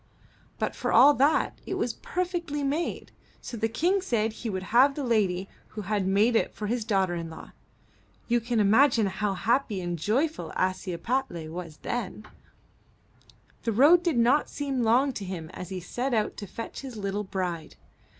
But for all that it was per fectly made, so the King said he would have the lady who had made it for his daughter in law. You can imagine how happy and joyful Ashiepattle was then. The road did not seem long to him as he set out to fetch his little bride.